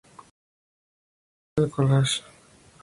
Utilizó especialmente el collage.